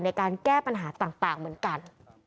ในการแก้ปัญหาต่างเหมือนกัน